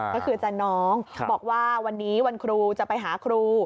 ก็คืออาจารย์น้องบอกว่าวันนี้วันครูจะไปหาครู